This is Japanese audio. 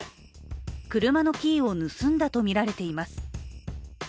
車のキーを盗んだとみられています。